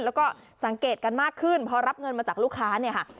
แล้วก็สังเกตกันมากขึ้นพอรับเงินมาจากลูกค้าเนี่ยค่ะ